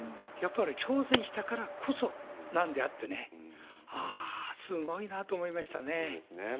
やっぱり挑戦したからこそなんであってね、すごいなと思いましたそうですね。